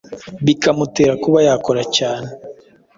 bikamutera kuba yakora cyane